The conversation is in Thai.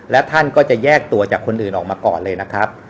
และท่านก็จะแยกตัวจากคนอื่นออกมาก่อนเลยนะครับ